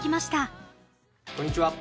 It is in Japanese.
こんにちは。